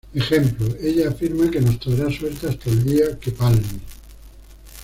Ejemplo: ""Ella afirma que nos traerá suerte hasta el día que palme"".